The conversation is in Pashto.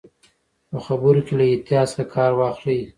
په خبرو کې له احتیاط څخه کار واخلئ.